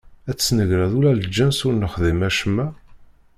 Ad tesnegreḍ ula d lǧens ur nexdim acemma?